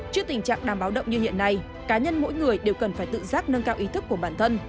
trước tình trạng đàm báo động như hiện nay cá nhân mỗi người đều cần phải tự giác nâng cao ý thức của bản thân